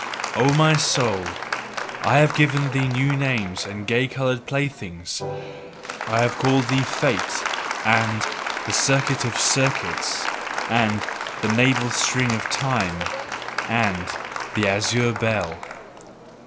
O my soul, I have given thee new names and gay coloured playthings, I have called thee "Fate" and "the Circuit of circuits" and "the Navel string of time" and "the Azure bell."